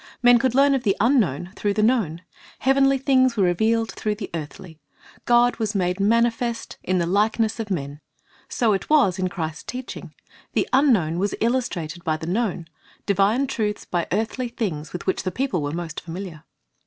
Men could learn of the unknown through the known; heavenly things were revealed through the earthly; God was made manifest in the likeness of men. So it was in Christ's teaching: the unknown was illustrated by the known; divine truths by earthly things with which the people were most familiar.